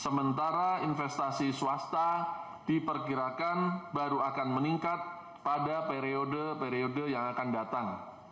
sementara investasi swasta diperkirakan baru akan meningkat pada periode periode yang akan datang